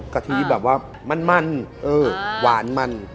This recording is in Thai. กะทิแบบว่ามันหวานมัน